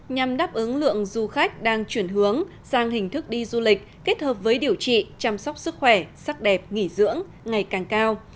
nhằm đáp ứng lượng du khách đang chuyển hướng sang hình thức đi du lịch kết hợp với điều trị chăm sóc sức khỏe sắc đẹp nghỉ dưỡng ngày càng cao